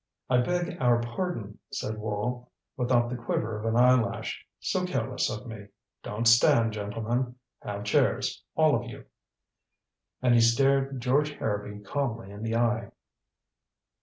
"I beg our pardon," said Wall, without the quiver of an eyelash. "So careless of me. Don't stand, gentlemen. Have chairs all of you." And he stared George Harrowby calmly in the eye.